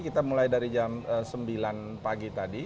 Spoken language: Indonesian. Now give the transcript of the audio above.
kita mulai dari jam sembilan pagi tadi